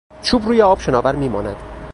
چوب روی آب شناور میماند.